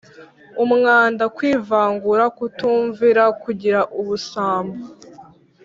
umwanda, kwivangura, kutumvira, kugira ubusambo